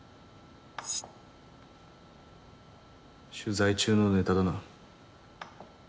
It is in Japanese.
取材中のネタだな。